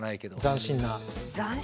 斬新な。